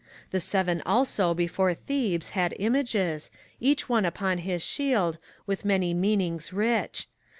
The Seven also before Thebes had images, Each one upon his shield, with many meanings rich.